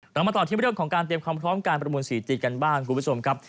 เรามาต่อที่เรื่องของการเตรียมความพร้อมการประมูลสีตีกันบ้างคุณผู้ชมครับ